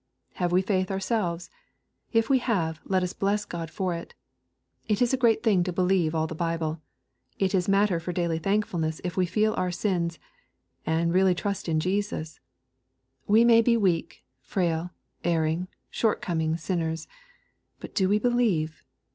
Have we faith ourselves ? If we have^^ let us bless Grod for it. It is a greaF thing to believe all the Bible. It is matter for daily thankfulness if we feel our sins, and really trust in Jesus. We may be weak, frail, erring, short coming sinners. But do we believe